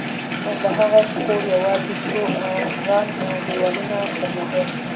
د هغه کور یوازې څو وران دېوالونه درلودل